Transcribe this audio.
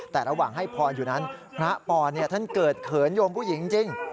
แต่ระหว่างให้พรอยู่นั้นพระปอนท่านเกิดเขินโยมผู้หญิงจริง